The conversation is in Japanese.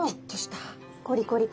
コリコリ感。